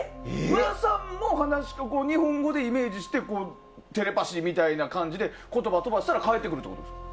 武良さんも日本語でイメージしてテレパシーみたいな感じで言葉を飛ばしたら返ってくるということですか？